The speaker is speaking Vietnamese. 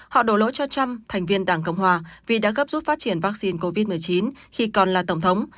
họ đổ lỗi cho trump thành viên đảng cộng hòa vì đã gấp rút phát triển vaccine covid một mươi chín khi còn là tổng thống